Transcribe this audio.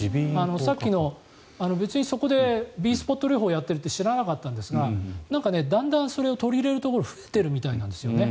さっきの別にそこでＢスポット療法やってるって知らなかったんですがだんだんそれを取り入れてるところが増えてるみたいなんですよね。